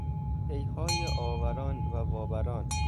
پیهای آوران و وابران